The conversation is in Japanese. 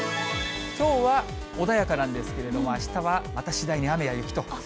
きょうは穏やかなんですけど、あしたはまた次第に雨や雪と。